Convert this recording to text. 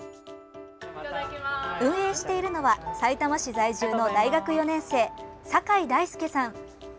運営しているのはさいたま市在住の大学４年生堺大輔さん。